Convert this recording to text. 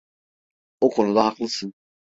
O konuda haklısın.